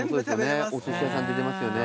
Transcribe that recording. おすし屋さんで出ますよね。